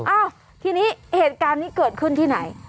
อ้าวทีนี้เหตุการณ์นี้เกิดขึ้นที่ไหน